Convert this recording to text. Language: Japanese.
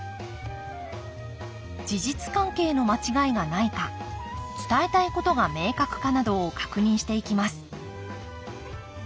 事実関係の間違いがないか伝えたいことが明確かなどを確認していきます。